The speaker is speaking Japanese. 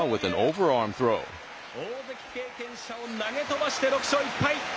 大関経験者を投げ飛ばして６勝１敗。